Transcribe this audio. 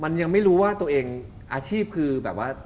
มันยังไม่รู้ว่าตัวเองอาชีพคือแบบว่า